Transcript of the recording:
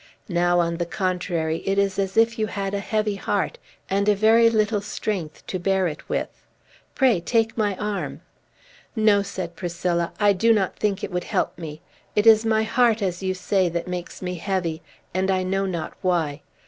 Now, on the contrary, it is as if you had a heavy heart, and a very little strength to bear it with. Pray take my arm!" "No," said Priscilla, "I do not think it would help me. It is my heart, as you say, that makes me heavy; and I know not why.